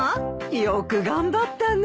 よく頑張ったね。